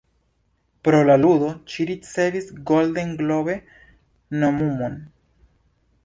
Pro la ludo, ŝi ricevis Golden Globe-nomumon.